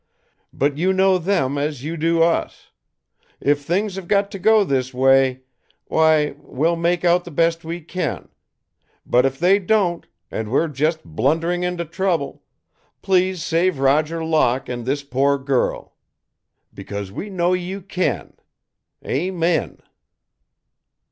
"But You know them as You do us. If things have got to go this way, why, we'll make out the best we can. But if they don't, and we're just blundering into trouble, please save Roger Locke and this poor girl. Because we know You can. Amen."